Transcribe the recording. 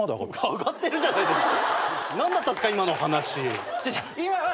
上がってるじゃないですか。